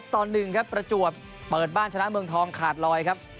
ต่อ๑ครับประจวบเปิดบ้านชนะเมืองทองขาดลอยครับ